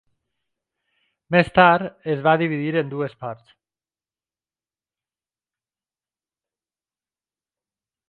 Més tard, es va dividir en dues parts.